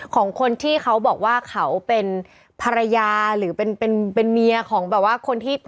ของคนที่เขาบอกว่าเขาเป็นภรรยาหรือเป็นเป็นเมียของแบบว่าคนที่